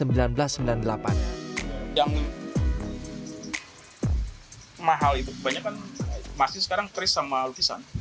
yang mahal itu kebanyakan masih sekarang keris sama lukisan